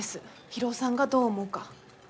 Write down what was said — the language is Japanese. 博夫さんがどう思うか。